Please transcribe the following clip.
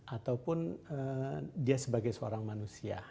ataupun dia sebagai seorang manusia